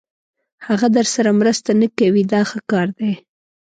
هغه درسره مرسته نه کوي دا ښه کار دی.